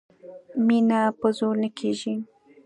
مینه په زور نه کېږي